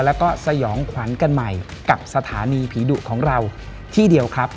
แล้วก็สยองขวัญกันใหม่กับสถานีผีดุของเราที่เดียวครับ